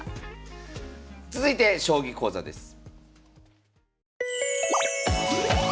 続いて将棋講座です。